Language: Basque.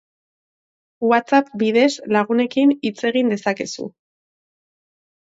Whatsapp bidez lagunekin hitz egin dezakezu.